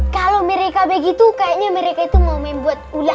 kalau mereka begitu kayaknya mereka itu mau membuat ular